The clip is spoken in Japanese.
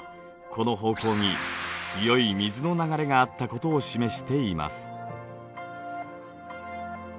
この方向に強い水の流れがあったことを示しています。